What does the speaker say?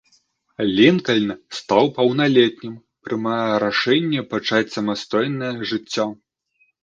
Лінкальн, стаў паўналетнім, прымае рашэнне пачаць самастойнае жыццё.